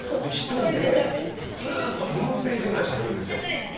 １人でずっと４ページぐらいしゃべるんです。